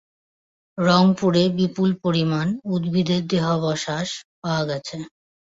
রংপুরে বিপুল পরিমাণ উদ্ভিদের দেহাবশেষ পাওয়া গেছে।